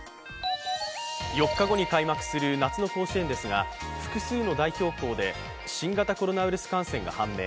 ４日後に開幕する夏の甲子園ですが複数の代表校で新型コロナウイルス感染が判明。